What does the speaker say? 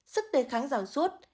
sức đề kháng giảm suốt